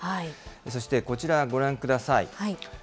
そしてこちら、ご覧ください。